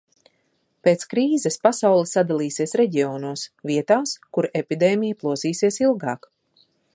Pēc krīzes pasaule sadalīsies reģionos – vietās, kur epidēmija plosīsies ilgāk.